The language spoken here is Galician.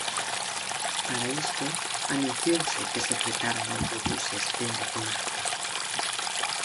Para isto, anunciouse que se fretaran autobuses dende a comarca.